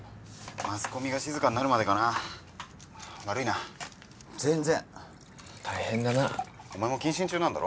マスコミが静かになるまでかな悪いな全然大変だなお前も謹慎中なんだろ？